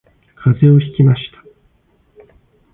風邪をひきました